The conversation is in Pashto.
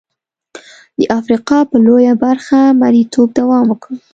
د افریقا په لویه برخه مریتوب دوام وکړ.